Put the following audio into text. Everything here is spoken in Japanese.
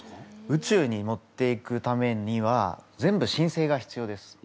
宇宙に持っていくためには全部しんせいが必要です。